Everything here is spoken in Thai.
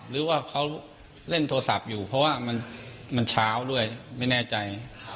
หรือว่าเขาเล่นโทรศัพท์อยู่เพราะว่ามันเช้าด้วยไม่แน่ใจ